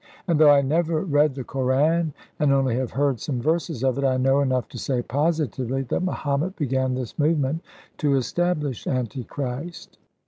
And though I never read the Koran, and only have heard some verses of it, I know enough to say positively, that Mahomet began this movement to establish Antichrist.